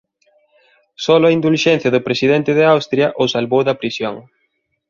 Solo a indulxencia do presidente de Austria o salvou da prisión.